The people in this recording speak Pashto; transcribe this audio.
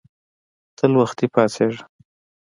تل وختي پاڅیږه